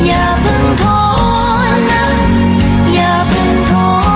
อย่าเพิ่งท้อนักอย่าเพิ่งท้อ